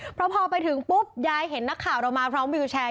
พอไปถึงปุ๊บยายเห็นนักข่าวเรามาพร้อมวิวแชร์